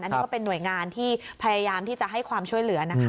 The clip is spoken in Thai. อันนี้ก็เป็นหน่วยงานที่พยายามที่จะให้ความช่วยเหลือนะคะ